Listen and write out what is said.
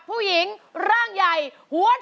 คุณรันมาก